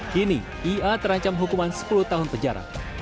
kini ia terancam hukuman sepuluh tahun penjara